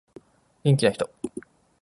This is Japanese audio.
元気な人